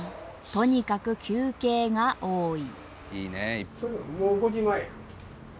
とにかく休憩が多い。